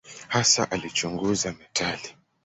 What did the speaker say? Hasa alichunguza metali.